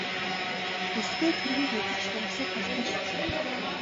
Бүсгүй түргэн хөдөлж зурвасыг гарт нь шидлээ.